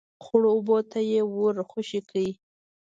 ، خړو اوبو ته يې ور خوشی کړه.